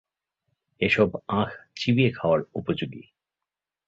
এসব আখ চিবিয়ে খাবার উপযোগী।